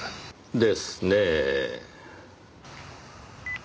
ですねぇ。